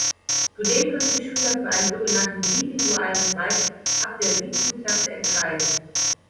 Zudem können sich Schüler für einen sogenannten bilingualen Zweig ab der siebten Klasse entscheiden.